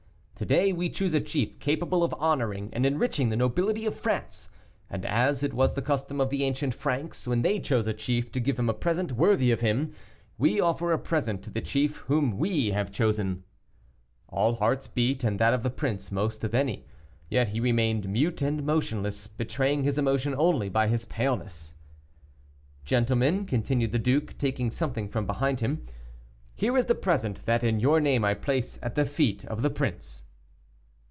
To day we choose a chief capable of honoring and enriching the nobility of France; and as it was the custom of the ancient Franks when they chose a chief to give him a present worthy of him, we offer a present to the chief whom we have chosen." All hearts beat, and that of the prince most of any; yet he remained mute and motionless, betraying his emotion only by his paleness. "Gentlemen," continued the duke, taking something from behind him, "here is the present that in your name I place at the feet of the prince."